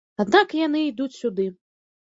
Аднак яны ідуць сюды.